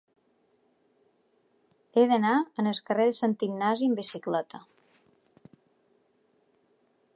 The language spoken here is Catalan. He d'anar al carrer de Sant Ignasi amb bicicleta.